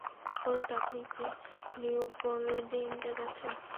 বলুন তো, আপনি কি লিওপোল্ডিনা যাচ্ছেন?